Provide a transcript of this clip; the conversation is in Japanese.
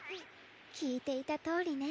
きいていたとおりね。